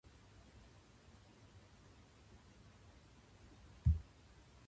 郷に入っては郷に従え